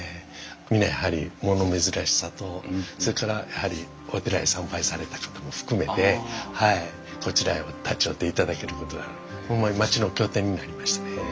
みんなやはり物珍しさとそれからやはりお寺へ参拝された方も含めてこちらへ立ち寄っていただけることはホンマに町の拠点になりましたね。